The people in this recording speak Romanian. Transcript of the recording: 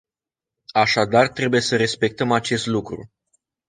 Așadar trebuie să respectăm acest lucru.